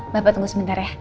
bapak tunggu sebentar ya